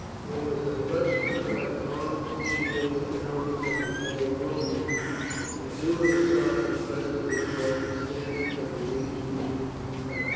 There was a rush to collect the arms, shields, and helmets of the fallen Romans, and two of the Sarci presently brought the standards of the legion to Beric.